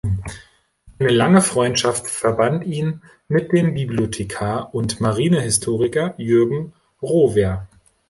Eine lange Freundschaft verband ihn mit dem Bibliothekar und Marinehistoriker Jürgen Rohwer.